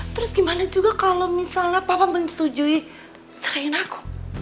terus gimana juga kalau misalnya papa menyetujui selain aku